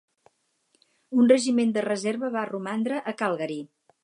Un regiment de reserva va romandre a Calgary.